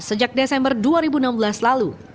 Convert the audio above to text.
sejak desember dua ribu enam belas lalu